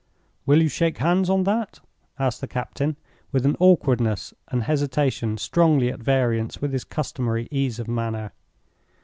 "Will you shake hands on that?" asked the captain, with an awkwardness and hesitation strongly at variance with his customary ease of manner.